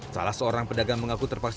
salah seorang pedagang mengaku terpaksa